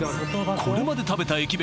これまで食べた駅弁